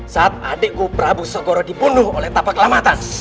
saat adikku prabu sogoro dibunuh oleh tapak kelamatan